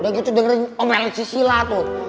udah gitu denger omel si sila tuh